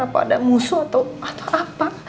apa ada musuh atau apa